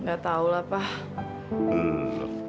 enggak tahulah pak